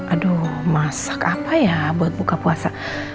aduh masak apa ya buat buka puasa